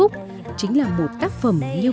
cứ như là một cái sức hút